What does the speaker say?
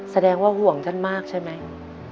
แสดงว่าห่วงท่านมากใช่ไหม